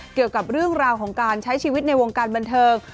เกี่ยวกับเรื่องราวของการใช้ชีวิตในวงการบันเทิง